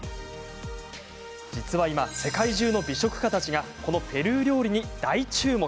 実は今、世界中の美食家たちがこのペルー料理に大注目！